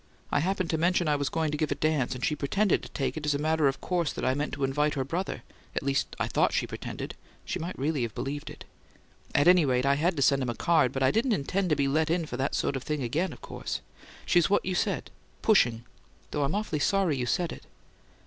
I happened to mention I was going to give a dance and she pretended to take it as a matter of course that I meant to invite her brother at least, I thought she pretended; she may have really believed it. At any rate, I had to send him a card; but I didn't intend to be let in for that sort of thing again, of course. She's what you said, 'pushing'; though I'm awfully sorry you said it."